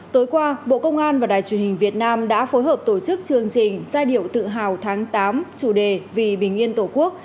tối qua bộ công an và đài truyền hình việt nam đã phối hợp tổ chức chương trình giai điệu tự hào tháng tám chủ đề vì bình yên tổ quốc